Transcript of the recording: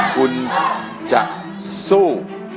คุณจะสู้